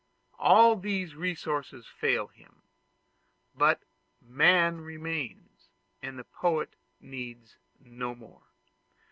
All these resources fail him; but Man remains, and the poet needs no more.